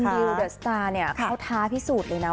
แต่คุณดิวเดอร์สตาร์เขาท้าพิสูจน์เลยนะ